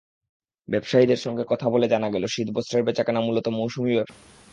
ব্যবসায়ীদের সঙ্গে কথা বলে জানা গেল, শীতবস্ত্রের বেচাকেনা মূলত মৌসুমি ব্যবসা।